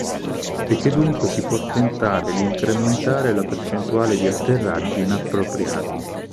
E che dunque si può tentare di incrementare la percentuale di atterraggi inappropriati.